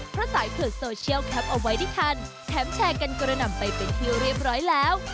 เพราะสายตรวจโซเชียลแคปเอาไว้ได้ทันแถมแชร์กันกระหน่ำไปเป็นที่เรียบร้อยแล้ว